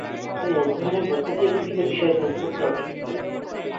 তিনি অধ্যায়নের মধ্য দিয়ে বিভিন্ন বিষয়ে ব্যুতপত্তি অর্জন করেন।